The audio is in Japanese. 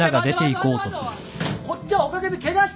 こっちはおかげでケガしてるんだよ。